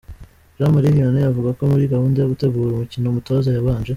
Jean Marie Vianney avuga ko muri gahunda yo gutegura umukino umutoza yabanje